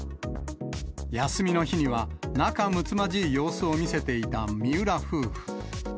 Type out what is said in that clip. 休みの日には、仲むつまじい様子を見せていた三浦夫婦。